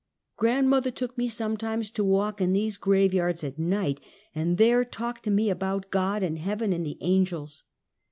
Grandmother took me sometimes to walk in these graveyards at night, and there talked to me about God and heaven and the angels.